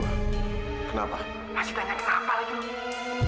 masih tanya kenapa lagi lu